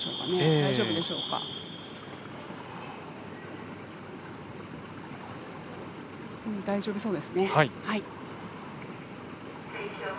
大丈夫そうですね。